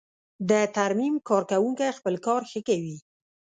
د ترمیم کارکوونکی خپل کار ښه کوي.